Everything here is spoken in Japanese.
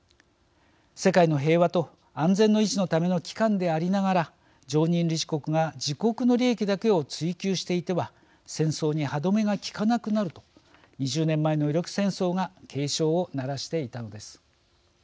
世界の平和と安全の維持のための機関でありながら、常任理事国が自国の利益だけを追求していては戦争に歯止めが利かなくなると２０年前のイラク戦争が警鐘を鳴らしていたのです。